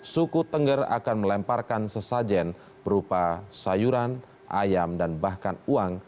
suku tengger akan melemparkan sesajen berupa sayuran ayam dan bahkan uang